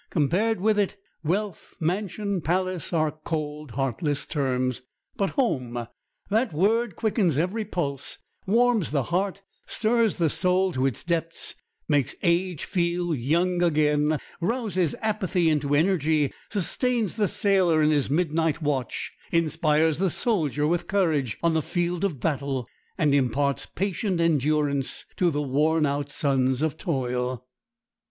Compared with it, wealth, mansion, palace, are cold, heartless terms. But home,—that word quickens every pulse, warms the heart, stirs the soul to its depths, makes age feel young again, rouses apathy into energy, sustains the sailor in his midnight watch, inspires the soldier with courage on the field of battle, and imparts patient endurance to the worn out sons of toil.